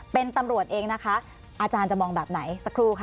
เป็นตำรวจเองนะคะอาจารย์จะมองแบบไหนสักครู่ค่ะ